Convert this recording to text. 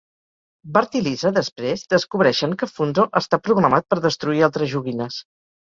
Bart i Lisa després descobreixen que Funzo està programat per destruir altres joguines.